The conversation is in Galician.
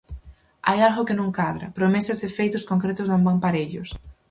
Hai algo que non cadra: promesas e feitos concretos non van parellos.